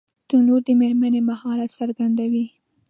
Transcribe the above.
تنور د مېرمنې مهارت څرګندوي